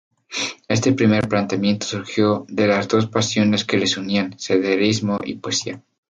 Este primer planteamiento surgió de las dos pasiones que les unían: senderismo y poesía.